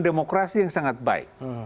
demokrasi yang sangat baik